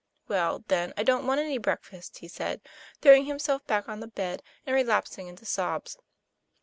'Well, then, I don't want any breakfast," he said, throwing himself back on the bed, and relapsing into sobs.